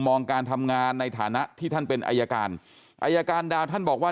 มองการทำงานในฐานะที่ท่านเป็นอายการอายการดาวท่านบอกว่า